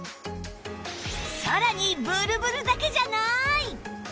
さらにブルブルだけじゃない！